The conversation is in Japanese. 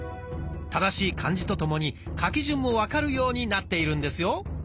正しい漢字とともに書き順も分かるようになっているんですよ。